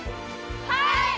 はい！